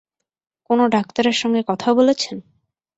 কোনো ডাক্তারের সঙ্গে কথা বলেছেন?